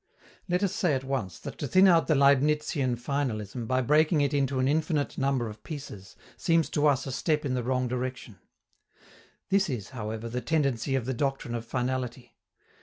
Let us say at once that to thin out the Leibnizian finalism by breaking it into an infinite number of pieces seems to us a step in the wrong direction. This is, however, the tendency of the doctrine of finality.